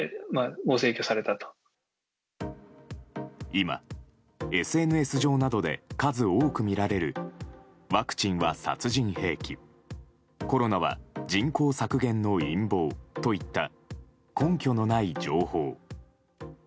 今、ＳＮＳ上などで数多く見られるワクチンは殺人兵器コロナは人口削減の陰謀といった根拠のない情報。